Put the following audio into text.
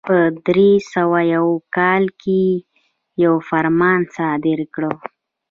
په درې سوه یو کال کې یو فرمان صادر کړ.